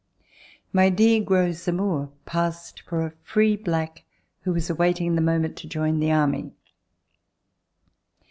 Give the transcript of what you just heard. My negro, Zamore, passed for a free black who was awaiting the moment to join the army.